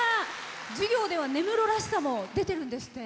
授業では根室らしさも出てるんですって？